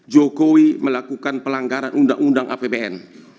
jokowi melakukan pelanggaran undang undang apbn